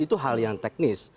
itu hal yang teknis